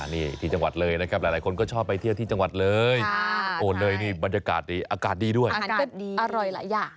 นี่ที่จังหวัดเลยนะครับหลายคนก็ชอบไปเที่ยวที่จังหวัดเลยโอ้เลยนี่บรรยากาศดีอากาศดีด้วยอร่อยหลายอย่าง